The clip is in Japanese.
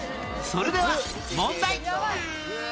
それでは問題